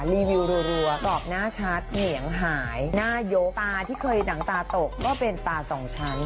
รีวิวรัวตอบหน้าชัดเหนียงหายหน้ายกตาที่เคยหนังตาตกก็เป็นตาสองชั้น